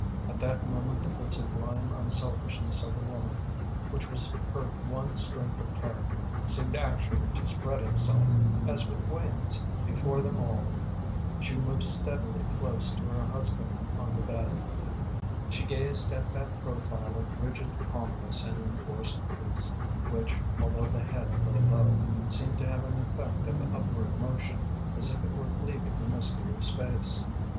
At that moment the sublime unselfishness of the woman, which was her one strength of character, seemed actually to spread itself, as with wings, before them all. She moved steadily, close to her husband on the bed. She gazed at that profile of rigid calmness and enforced peace, which, although the head lay low, seemed to have an effect of upward motion, as if it were cleaving the mystery of space.